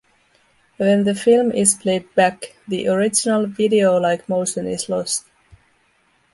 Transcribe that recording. When the film is played back, the original video-like motion is lost.